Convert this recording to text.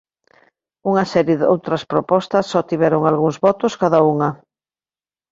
Unha serie doutras propostas só tiveron algúns votos cada unha.